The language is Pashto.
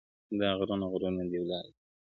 دا غرونه ، غرونه دي ولاړ وي داسي~